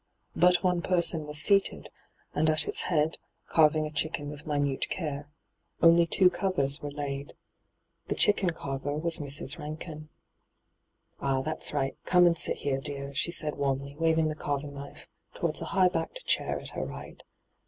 But one person was seated, and at its head, carving a chicken witii minute care. Only two covers were laid. The chicken carver was Mrs. Rankin. ENTRAPPED 267 ' Ah, that's right ; come and sit here, dear,' she said warmly, waving the carving knife towards a high backed chair at her right.